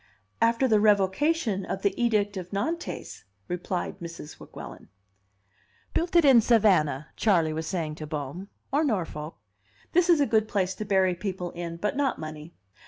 "After the revocation of the Edict of Nantes," replied Mrs. Weguelin. "Built it in Savannah," Charley was saying to Bohm, "or Norfolk. This is a good place to bury people in, but not money.